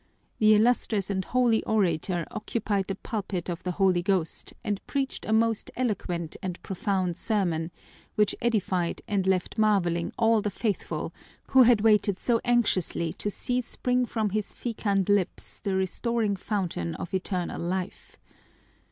The illustrious and holy orator occupied the pulpit of the Holy Ghost and preached a most eloquent and profound sermon, which edified and left marveling all the faithful who had waited so anxiously to see spring from his fecund lips the restoring fountain of eternal life.